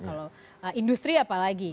kalau industri apalagi